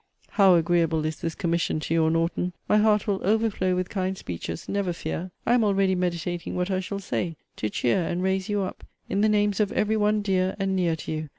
How agreeable is this commission to your Norton! My heart will overflow with kind speeches, never fear! I am already meditating what I shall say, to cheer and raise you up, in the names of every one dear and near to you.